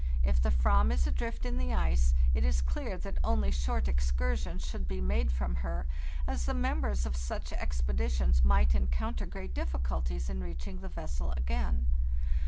If the Avram is adrift in the ice, it is clear that only short excursions should be made from her, as the members of such ex peditions might encounter great difficulties in reaching the vessel again.